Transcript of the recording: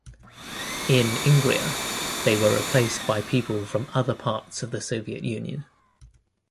In Ingria they were replaced by people from other parts of the Soviet Union.